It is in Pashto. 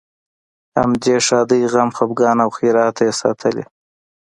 همدې ښادۍ، غم، خپګان او خیرات ته یې ساتلې.